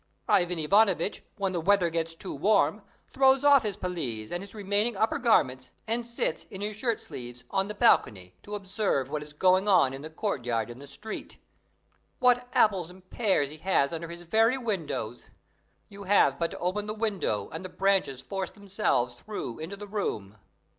Ivan Ivanovitch, when the weather gets too warm, throws off his pelisse and his remaining upper garments, and sits, in his shirt sleeves, on the balcony to observe what is going on in the courtyard and the street. What apples and pears he has under his very windows! You have but to open the window and the branches force themselves through into the room.